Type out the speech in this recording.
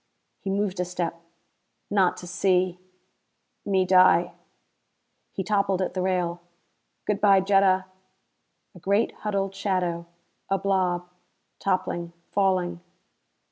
He moved a step. "Not to see me die " He toppled at the rail. "Good by, Jetta." A great huddled shadow. A blob, toppling, falling....